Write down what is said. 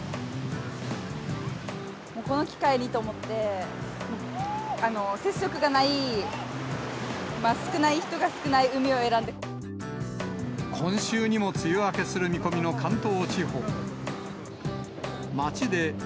この機会にと思って、接触がない、今週にも梅雨明けする見込みの関東地方。